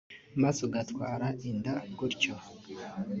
maze ugatwara inda gutyo